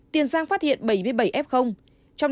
tiền giang phát hiện bảy mươi bảy f trong đó ba mươi chín ca